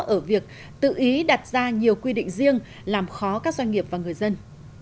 ở việc tự ý đặt ra nhiều quy định riêng làm khó các doanh nghiệp và người dân